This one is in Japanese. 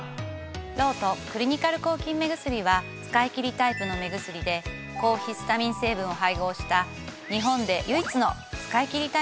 ロートクリニカル抗菌目薬は使いきりタイプの目薬で抗ヒスタミン成分を配合した日本で唯一の使いきりタイプの抗菌目薬なんです。